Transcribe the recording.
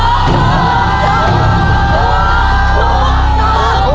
ถูกถูกถูก